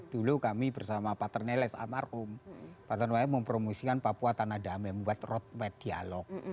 dulu kami bersama pak terneles amarum pak terneles mempromosikan papua tanah damai membuat road map dialog